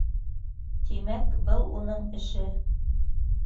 Тимәк, был уның эше.